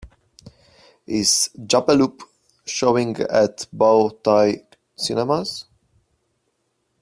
Is Jappeloup showing at Bow Tie Cinemas